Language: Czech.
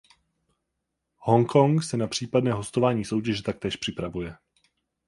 Hong Kong se na případné hostování soutěže taktéž připravuje.